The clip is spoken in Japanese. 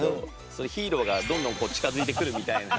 そういうヒーローがどんどん近づいてくるみたいな。